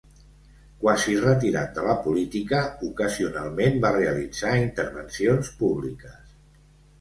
Quasi retirat de la política, ocasionalment va realitzar intervencions públiques.